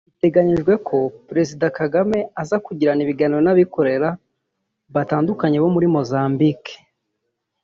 Bitegamyijwe ko Perezida Kagame aza kugirana ibiganiro n’abikorera batandukanye bo muri Mozambique